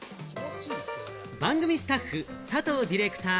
番組スタッフ・佐藤ディレクター